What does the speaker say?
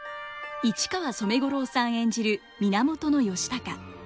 市川染五郎さん演じる源義高。